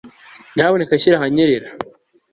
Nyamuneka shyira ahanyerera